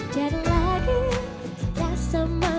jatuh lagi rasa mengayu